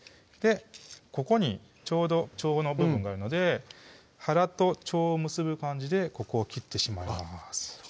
ここにちょうど腸の部分があるので腹と腸を結ぶ感じでここを切ってしまいます